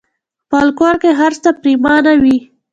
خپل کور کې هرڅه پريمانه وي.